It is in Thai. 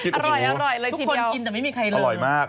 ทุกคนกินแต่ไม่มีใครเลิก